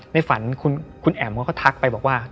ในฝันคุณแอ๋มเขาก็ทักไปบอกว่า